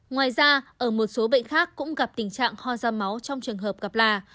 ngoài ra ở một số bệnh khác cũng gặp tình trạng hoa da máu trong trường hợp gặp là